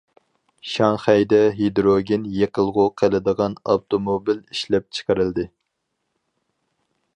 شاڭخەيدە ھىدروگېن يېقىلغۇ قىلىدىغان ئاپتوموبىل ئىشلەپ چىقىرىلدى.